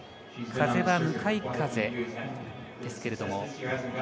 風は向かい風ですけれども。